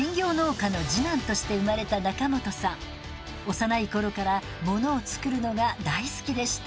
幼い頃からものを作るのが大好きでした。